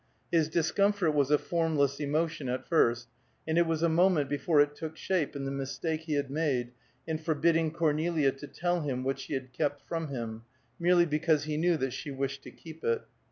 His discomfort was a formless emotion at first, and it was a moment before it took shape in the mistake he had made, in forbidding Cornelia to tell him what she had kept from him, merely because he knew that she wished to keep it.